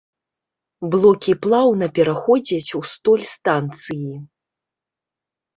Блокі плаўна пераходзяць у столь станцыі.